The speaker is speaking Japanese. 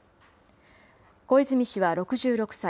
小泉氏は６６歳。